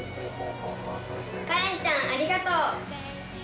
カレンちゃん、ありがとう。